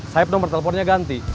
saya nomor teleponnya ganti